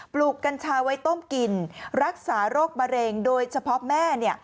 ลูกกัญชาไว้ต้มกินรักษาโรคมะเร็งโดยเฉพาะแม่